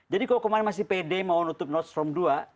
jadi kalau kemarin masih pede mau nutup nordstrom dua